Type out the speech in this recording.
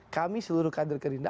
kami seluruh kader gerindra